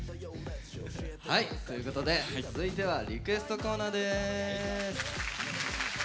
はいということで続いてはリクエストコーナーです。